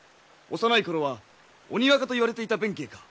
幼い頃は鬼若といわれていた弁慶か？